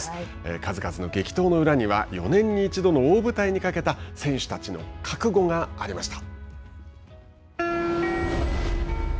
数々の激闘の裏には４年に１度の大舞台にかけた選手たちの覚悟がありました。